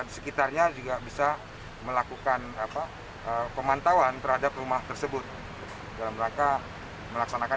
sekitarnya juga bisa melakukan apa pemantauan terhadap rumah tersebut dalam rangka melaksanakan